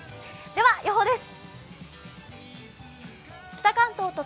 では、予報です。